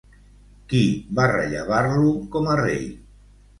Qui va rellevar-lo com a rei?